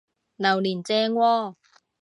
榴槤正喎！